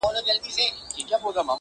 o كله توري سي.